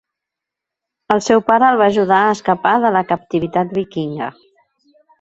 El seu pare el va ajudar a escapar de la captivitat vikinga.